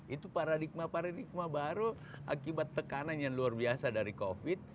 itu paradigma paradigma baru akibat tekanan yang luar biasa dari covid